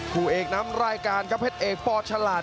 คู่เอกนำรายการกับเพศเอกปอดฉลาด